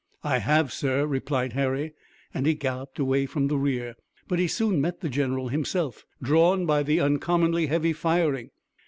"I have, sir," replied Harry, and he galloped away from the rear. But he soon met the general himself, drawn by the uncommonly heavy firing.